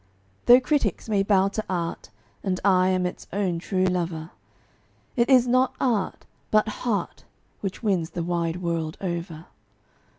Though critics may bow to art, and I am its own true lover, It is not art, but heart, which wins the wide world over.